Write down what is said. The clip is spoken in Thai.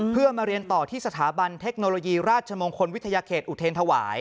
เพื่อมาเรียนต่อที่สถาบันเทคโนโลยีราชมงคลวิทยาเขตอุเทรนธวาย